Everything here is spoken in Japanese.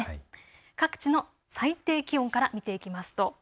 各地の最低気温から見ていきましょう。